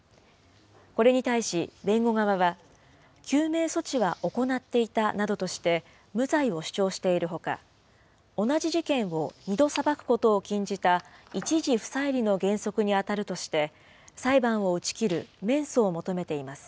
これに対し弁護側は、救命措置は行っていたなどとして、無罪を主張しているほか、同じ事件を２度裁くことを禁じた、一事不再理の原則に当たるとして、裁判を打ち切る免訴を求めています。